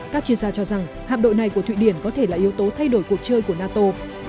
các chuyên gia cho rằng hạm đội này của thụy điển có thể là yếu tố thay đổi cuộc chơi của nato